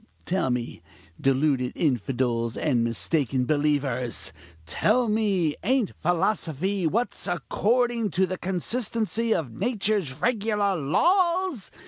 Tell me, deluded infidels and mistaken unbelievers! tell me, ain't philosophy what's according to the consistency of nature's regular laws?